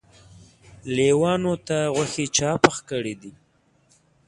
لېوانو ته غوښې چا پخې کړی دي.